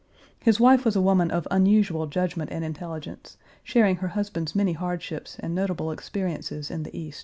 His wife was a woman of unusual judgment and intelligence, sharing her husband's many hardships and notable experiences in the East.